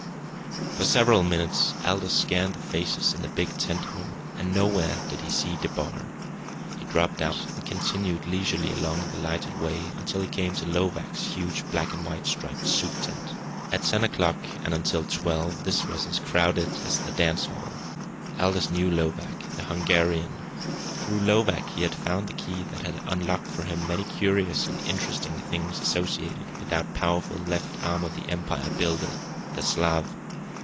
For several minutes Aldous scanned the faces in the big tent hall, and nowhere did he see DeBar. He dropped out, and continued leisurely along the lighted way until he came to Lovak's huge black and white striped soup tent. At ten o'clock, and until twelve, this was as crowded as the dance hall. Aldous knew Lovak, the Hungarian. Through Lovak he had found the key that had unlocked for him many curious and interesting things associated with that powerful Left Arm of the Empire Builders the Slav.